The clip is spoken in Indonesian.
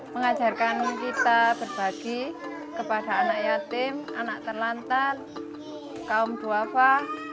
mengajarkan kita berbagi kepada anak yatim anak terlantar kaum duafa